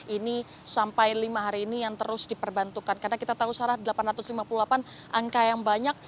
ini sampai lima hari ini yang terus diperbantukan karena kita tahu sarah delapan ratus lima puluh delapan angka yang banyak